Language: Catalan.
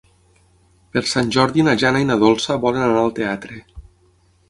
Per Sant Jordi na Jana i na Dolça volen anar al teatre.